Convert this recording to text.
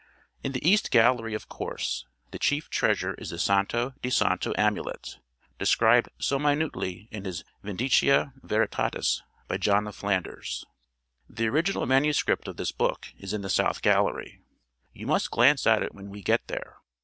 In the East Gallery, of course, the chief treasure is the Santo di Santo amulet, described so minutely in his Vindicia Veritatis by John of Flanders. The original MS. of this book is in the South Gallery. You must glance at it when we get there.